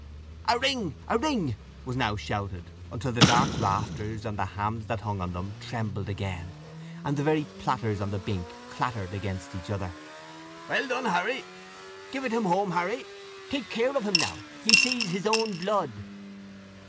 "A ring a ring!" was now shouted, until the dark rafters, and the hams that hung on them, trembled again, and the very platters on the "bink" clattered against each other. "Well done, Harry" "Give it him home, Harry" "Take care of him now, he sees his own blood!"